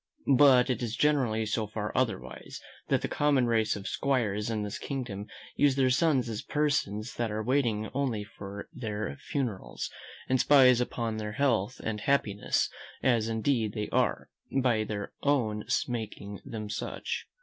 But it is generally so far otherwise, that the common race of 'squires in this kingdom use their sons as persons that are waiting only for their funerals, and spies upon their health and happiness; as indeed they are, by their own making them such.